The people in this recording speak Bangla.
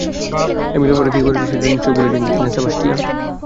এমিলের ওরা কি করেছে, সেটা নিশ্চয় ভুলে যাননি, তাই না, সেবাস্টিয়ান?